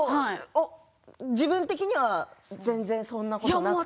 自分的にはそんなことなくて？